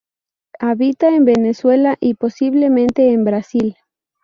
Habita en Venezuela y posiblemente en Brasil.